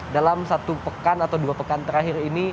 dalam satu pekan atau dua pekan terakhir ini